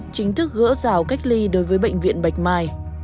chính thức gỡ rào cách ly đối với bệnh viện bạch mai